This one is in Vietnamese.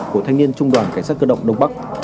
của thanh niên trung đoàn cảnh sát cơ động đông bắc